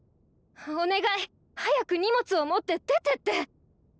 お願い早く荷物を持って出てってッ！